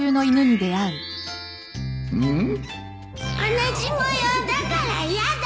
同じ模様だからやだ